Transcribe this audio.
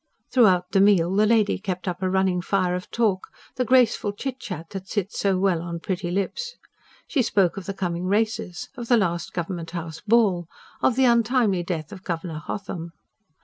Throughout the meal, the lady kept up a running fire of talk the graceful chitchat that sits so well on pretty lips. She spoke of the coming Races; of the last Government House Ball; of the untimely death of Governor Hotham.